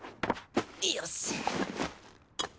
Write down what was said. よし！